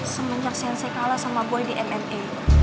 semenjak sensei kalah sama boy di mma